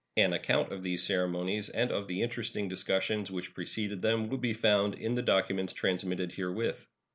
An account of these ceremonies and of the interesting discussions which preceded them will be found in the documents transmitted herewith.